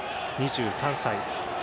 ２３歳。